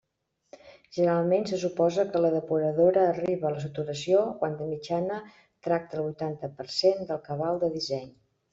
Generalment, se suposa que la depuradora arriba a la saturació quan de mitjana tracta el vuitanta per cent del cabal de disseny.